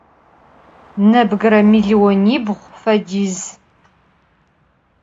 Nebgıre millionibğu fediz.